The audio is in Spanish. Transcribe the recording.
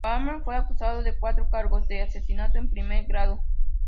Raymond fue acusado de cuatro cargos de asesinato en primer grado.